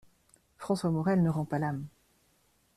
François Morel ne rend pas l'âme!